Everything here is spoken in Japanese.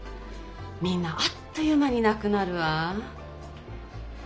みんなあっという間になくなるわ。